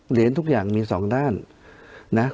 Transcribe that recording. เหรียญทุกอย่างมีสองด้านนะ